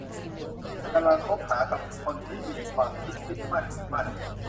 กำลังคบหากับคนที่มีความคิดยึดมั่นถือมั่น